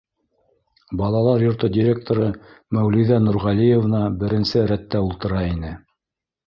Балалар йорто директоры Мәүлиҙә Нурғәлиевна беренсе рәттә ултыра ине.